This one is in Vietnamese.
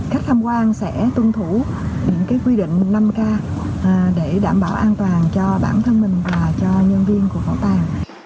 các tham quan sẽ tuân thủ những quy định năm k để đảm bảo an toàn cho bản thân mình và cho nhân viên của bảo tàng